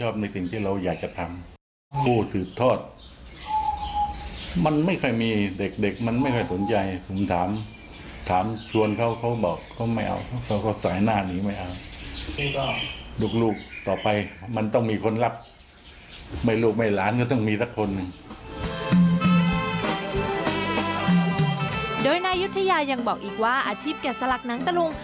โดยนายยุทธยายังบอกอีกว่าอาชีพแกะสลักหนังตะลุง